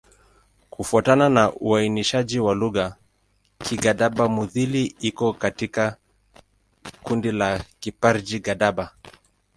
Kufuatana na uainishaji wa lugha, Kigadaba-Mudhili iko katika kundi la Kiparji-Gadaba.